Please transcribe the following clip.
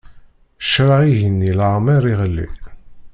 Ccṛeɛ igenni leɛmeṛ iɣli.